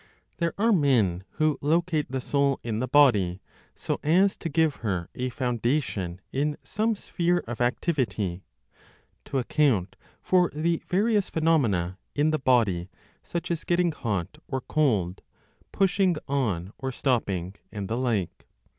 There are men who locate the soul in the body, so as to give her a foundation in some sphere of activity, to account for the various phenomena in the body, such as getting hot or cold, pushing on or stopping, (and the like).